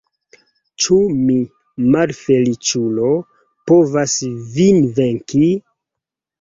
Ĉu mi, malfeliĉulo, povas vin venki?